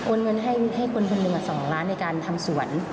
โอนเงินให้คนอื่นแหละ๒ล้านในการทำสวน